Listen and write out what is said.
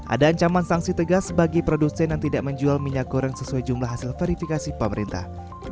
ada ancaman sanksi tegas bagi produsen yang tidak menjual minyak goreng sesuai jumlah hasil verifikasi pemerintah